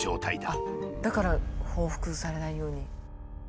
だから報復されないように。